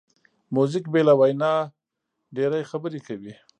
موزیک بې له وینا ډېری خبرې کوي.